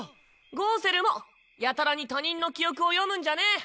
ゴウセルもやたらに他人の記憶を読むんじゃねぇ。